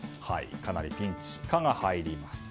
かなりピンチ「カ」が入ります。